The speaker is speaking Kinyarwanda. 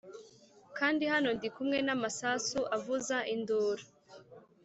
kandi hano ndi kumwe namasasu avuza induru